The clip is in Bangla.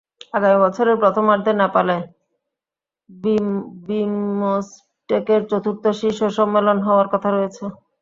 আগামী বছরের প্রথমার্ধে নেপালে বিমসটেকের চতুর্থ শীর্ষ সম্মেলন হওয়ার কথা রয়েছে।